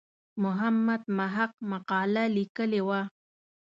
محمد محق مقاله لیکلې وه.